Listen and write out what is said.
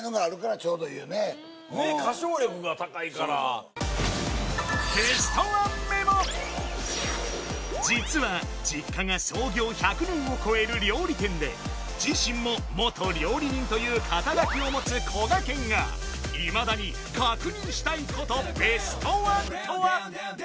そうそう実は実家が創業１００年を超える料理店で自身も元料理人という肩書を持つこがけんが今田に確認したいことベストワンとは？